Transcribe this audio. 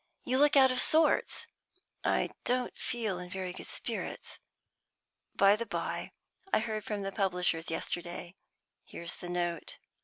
You look out of sorts." "I don't feel in very good spirits. By the by, I heard from the publishers yesterday. Here's the note."